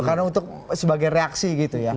karena untuk sebagai reaksi gitu ya